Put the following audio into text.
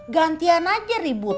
gantian aja ribut